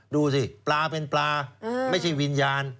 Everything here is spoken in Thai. ดูสิปลาเป็นปลาไม่ใช่วิญญาณ